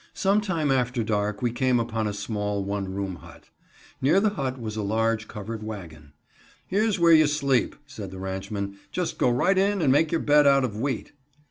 Some time after dark we came upon a small, one room hut. Near the hut was a large, covered wagon. "Here's where you sleep," said the ranchman. "Just go right in and make your bed out of wheat."